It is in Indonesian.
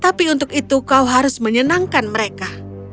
tapi untuk itu kau harus menyenangkan mereka